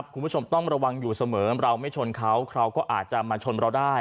คุณผู้ชมต้องระวังอยู่เสมอเราไม่ชนเขาเขาก็อาจจะมาชนเราได้